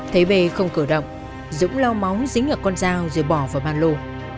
thấy bê không cử động dũng lau móng dính vào con dao rồi bỏ vào ban lô